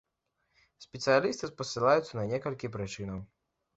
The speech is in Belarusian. Спецыялісты спасылаюцца на некалькі прычынаў.